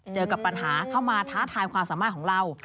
เจอกับปัญหาเข้ามาท้าทายความสามารถของเรา